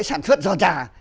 sản xuất giò trà